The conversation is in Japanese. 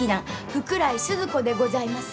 福来スズ子でございます。